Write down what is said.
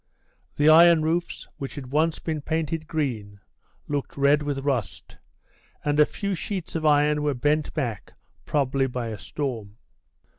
The iron roofs, which had once been painted green, looked red with rust, and a few sheets of iron were bent back, probably by a storm.